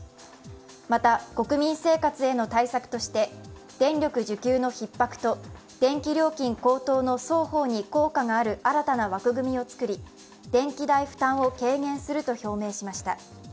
また国民生活への対策として電力需給のひっ迫と電気料金高騰の双方に効果がある新たな枠組みを作り電気代負担を軽減すると表明しました。